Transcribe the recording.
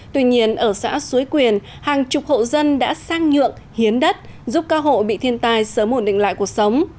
tuy nhiên ở xã suối quyền hàng chục hộ dân đã sang nhượng hiến đất giúp các hộ bị thiên tai sớm ổn định lại cuộc sống